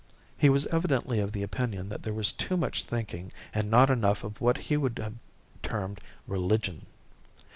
He was evidently of the opinion that there was too much thinking and not enough of what he would have termed "religion."